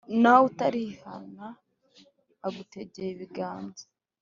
Nawe utari wihana agutegeye ibiganza